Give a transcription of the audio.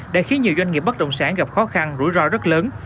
đã khiến nhiều doanh nghiệp bất động sản gặp khó khăn rủi ro rất lớn